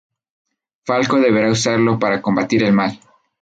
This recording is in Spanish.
Falco deberá usarlo para combatir el mal.